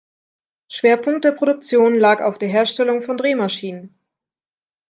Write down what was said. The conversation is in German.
Schwerpunkt der Produktion lag auf der Herstellung von Drehmaschinen.